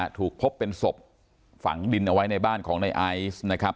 ถูกพบเป็นศพฝังดินเอาไว้ในบ้านของในไอซ์นะครับ